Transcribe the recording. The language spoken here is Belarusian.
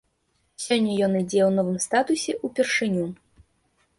Сёння ён ідзе ў новым статусе ўпершыню.